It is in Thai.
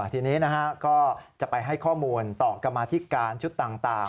ทีนี้ก็จะไปให้ข้อมูลต่อกรรมาธิการชุดต่าง